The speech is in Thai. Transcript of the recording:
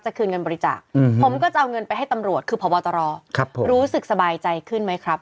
คืนเงินบริจาคผมก็จะเอาเงินไปให้ตำรวจคือพบตรรู้สึกสบายใจขึ้นไหมครับ